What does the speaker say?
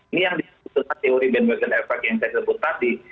ini yang disebut dengan teori bandwagon effect yang saya sebut tadi